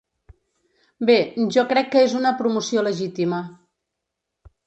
Bé, jo crec que és una promoció legítima.